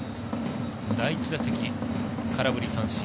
第１打席、空振り三振。